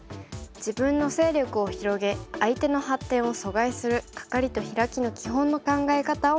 自分の勢力を広げ相手の発展を阻害するカカリとヒラキの基本の考え方を学びます。